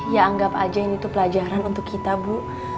ya anggap aja ini tuh pelajaran untuk kita bu